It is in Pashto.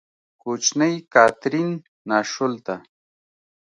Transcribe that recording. کوچنۍ کاترین، ناشولته!